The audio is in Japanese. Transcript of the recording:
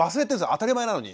当たり前なのに。